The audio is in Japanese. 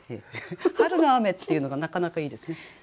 「春の雨」っていうのがなかなかいいですね。